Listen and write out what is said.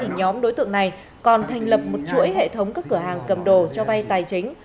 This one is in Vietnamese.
nhóm đối tượng này còn thành lập một chuỗi hệ thống các cửa hàng cầm đồ cho vay tài chính